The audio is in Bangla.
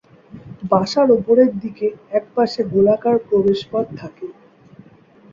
বাসার উপরের দিকে এক পাশে গোলাকার প্রবেশ পথ থাকে।